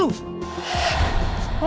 itu gara gara lu